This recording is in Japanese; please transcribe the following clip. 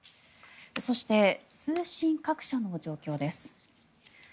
そして、通信各社の状況です。